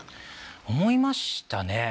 思いましたね。